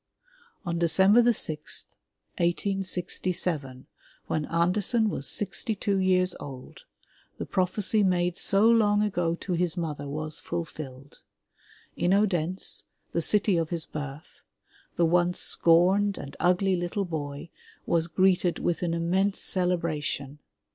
*' On December sixth, 1867, when Andersen was sixty two years old, the prophecy made so long ago to his mother was fulfilled. In Odense, the city of his birth, the once scorned and ugly little boy was greeted with an immense celebration.